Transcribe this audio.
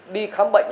đi khám bệnh